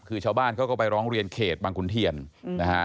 คือชาวบ้านเขาก็ไปร้องเรียนเขตบางขุนเทียนนะฮะ